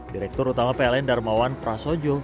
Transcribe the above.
direktur utama pln darmawan prasojo